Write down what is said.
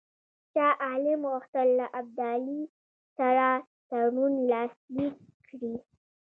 شاه عالم غوښتل له ابدالي سره تړون لاسلیک کړي.